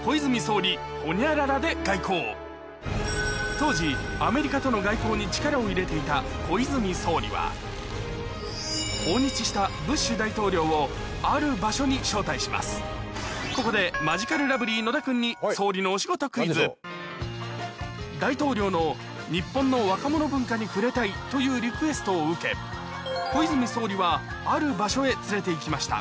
当時アメリカとの外交に力を入れていた小泉総理は訪日したブッシュ大統領をここでマヂカルラブリー・野田君に大統領のというリクエストを受け小泉総理はある場所へ連れていきました